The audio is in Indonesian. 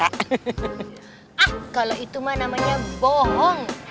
kalau itu mah namanya bohong